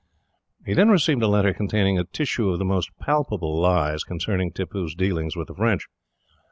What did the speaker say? He then received a letter containing a tissue of the most palpable lies concerning Tippoo's dealings with the French.